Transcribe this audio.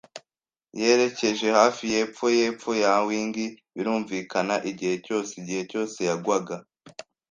Yerekeje hafi yepfo yepfo, yawing, birumvikana, igihe cyose. Igihe cyose yagwaga,